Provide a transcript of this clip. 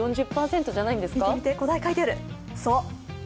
４０％じゃないんですか？